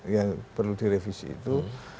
yang perlu direvisi itu